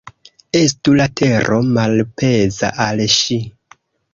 Estu la tero malpeza al ŝi.